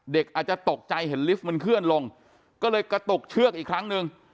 เด็กอาจจะตกใจเห็นลิฟต์มันเคลื่อนลงก็เลยกระตุกเชือกอีกครั้งหนึ่ง